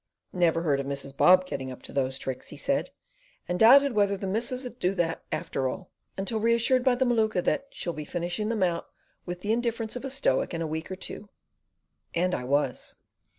"Never heard of Mrs. Bob getting up to those tricks," he said, and doubted whether "the missus 'ud do after all," until reassured by the Maluka that "she'll be fishing them out with the indifference of a Stoic in a week or two"; and I was.